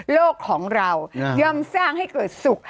โลกของเราย่อมสร้างให้เกิดสุข